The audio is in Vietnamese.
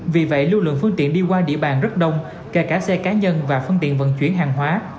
vì vậy lưu lượng phương tiện đi qua địa bàn rất đông kể cả xe cá nhân và phương tiện vận chuyển hàng hóa